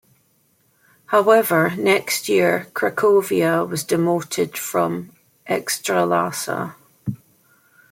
However, next year, Cracovia was demoted from Ekstraklasa.